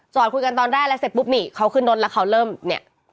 คุยกันตอนแรกแล้วเสร็จปุ๊บนี่เขาขึ้นรถแล้วเขาเริ่มเนี่ย